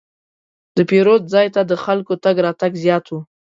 د پیرود ځای ته د خلکو تګ راتګ زیات و.